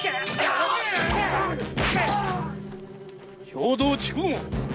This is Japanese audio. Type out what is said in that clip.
兵藤筑後！